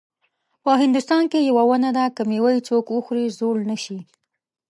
په هندوستان کې یوه ونه ده که میوه یې څوک وخوري زوړ نه شي.